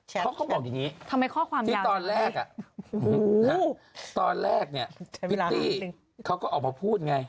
เขาก็บอกอย่างนี้ที่ตอนแรกอะตอนแรกเนี่ยพิตตี้เขาก็ออกมาพูดไง